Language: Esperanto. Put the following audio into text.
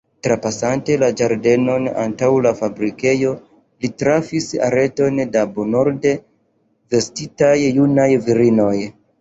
Trapasante la ĝardenon antaŭ la fabrikejo, li trafis areton da bonorde vestitaj junaj virinoj.